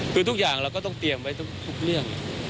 คือทุกอย่างเราก็ต้องเตรียมไว้ทุกเรื่อง